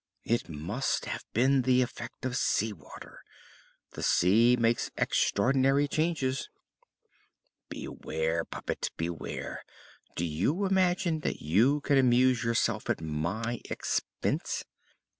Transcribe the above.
"It must have been the effect of sea water. The sea makes extraordinary changes." "Beware, puppet, beware! Don't imagine that you can amuse yourself at my expense.